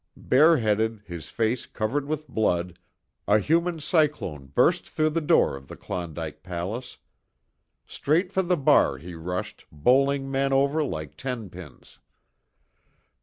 Bareheaded, his face covered with blood, a human cyclone burst through the door of the Klondike Palace. Straight for the bar he rushed, bowling men over like ten pins.